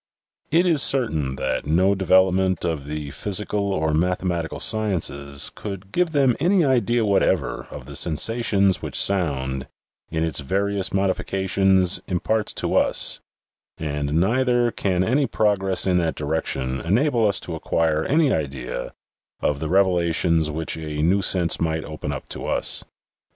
It is certain that no devel opment of the physical or mathematical sciences could give them any idea whatever of the sensations which sound, in its various modifications, imparts to us, and neither can any progress in that direction enable us to acquire any idea of the revelations which a new sense might open up to us.